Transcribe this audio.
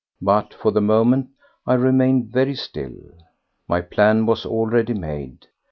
But for the moment I remained very still. My plan was already made.